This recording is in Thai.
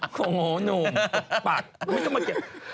โอ้โหหนุ่มปัดไม่ต้องมาเก็บ